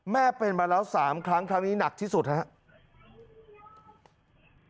แม่เป็นมาแล้ว๓ครั้งครั้งนี้หนักที่สุดครับ